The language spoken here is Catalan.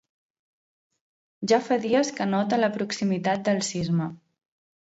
Ja fa dies que nota la proximitat del sisme.